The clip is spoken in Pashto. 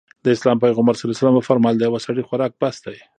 د اسلام پيغمبر ص وفرمايل د يوه سړي خوراک بس دی.